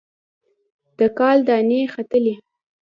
د کال دانې ختلي